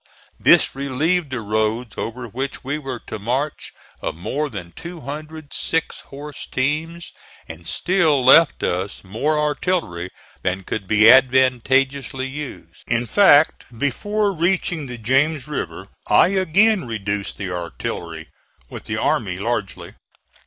This relieved the roads over which we were to march of more than two hundred six horse teams, and still left us more artillery than could be advantageously used. In fact, before reaching the James River I again reduced the artillery with the army largely.